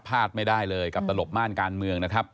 พลาดไม่ได้เลยกับตลบม่านการเมืองนะครับ